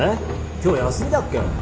今日休みだっけ？